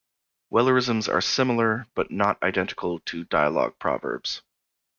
Wellerisms are similar but not identical to dialogue proverbs.